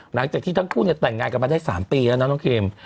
หลังจากที่ทั้งคู่เนี่ยแต่งงานกันมาได้๓ปีแล้วนะน้องเคม